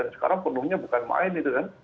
sekarang penuhnya bukan main